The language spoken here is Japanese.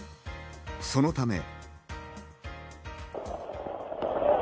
そのため。